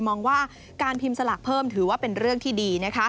มองว่าการพิมพ์สลากเพิ่มถือว่าเป็นเรื่องที่ดี